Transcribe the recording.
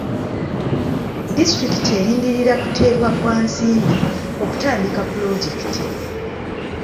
Disitulikiti erindirira kuteebwa kwa nsimbi okutandika pulojekiti.